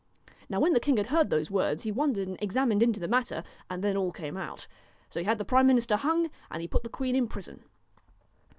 Now when the king had heard those words, he wondered and examined into the matter, and then all came out ; so he had the prime minister hung, and he put the queen in prison.